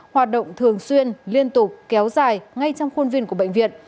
hoạt động thường xuyên liên tục kéo dài ngay trong khuôn viên của bệnh viện